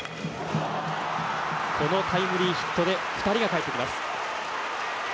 このタイムリーヒットで２人がかえってきます。